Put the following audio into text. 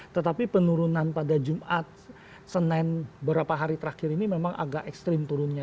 tetapi penurunan pada jumat senin beberapa hari terakhir ini memang agak ekstrim turunnya